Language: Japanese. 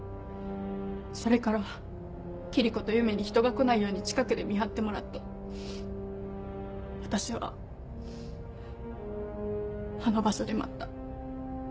それから桐子と優芽に人が来ないように近くで見張ってもらって私はあの場所で待った。